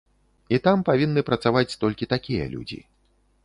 І там павінны працаваць толькі такія людзі.